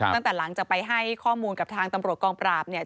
ตั้งแต่หลังจากไปให้ข้อมูลกับทางตำรวจกองปราบเนี่ย